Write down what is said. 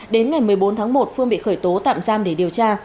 đến ngày một mươi bốn tháng một phương bị khởi tố tạm giam để điều tra